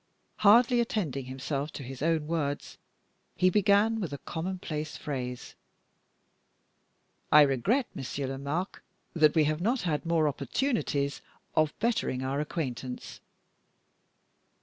Hardly attending himself to his own words, he began with a commonplace phrase: "I regret, Monsieur Lomaque, that we have not had more opportunities of bettering our acquaintance."